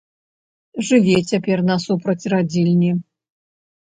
Жыве цяпер насупраць радзільні.